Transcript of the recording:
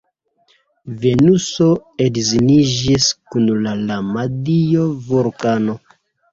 Venuso edziniĝis kun la lama dio Vulkano.